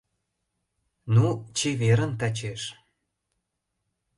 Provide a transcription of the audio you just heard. Ну, чеверын тачеш!